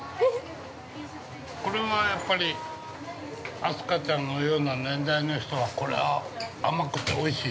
これは、やっぱり飛鳥ちゃんのような年代の人はこれは甘くておいしい？